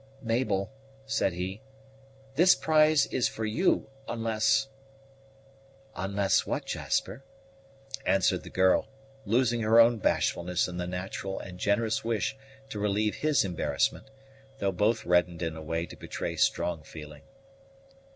"Mabel," said he, "this prize is for you, unless " "Unless what, Jasper?" answered the girl, losing her own bashfulness in the natural and generous wish to relieve his embarrassment, though both reddened in a way to betray strong feeling.